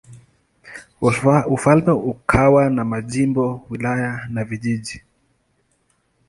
Ufalme ukawa na majimbo, wilaya na vijiji.